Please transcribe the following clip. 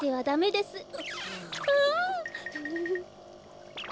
ダメです！